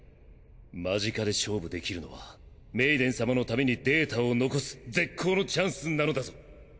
間近で勝負できるのはメイデン様のためにデータを残す絶好のチャンスなのだぞ。